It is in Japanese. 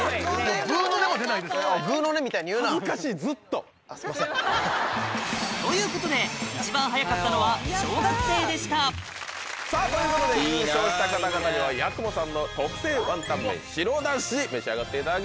ということで一番速かったのは小学生でしたさぁということで優勝した方々には八雲さんの特製ワンタン麺白だし召し上がっていただきます。